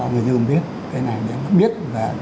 người tiêu dùng biết